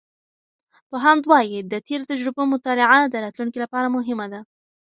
پوهاند وایي، د تیرو تجربو مطالعه د راتلونکي لپاره مهمه ده.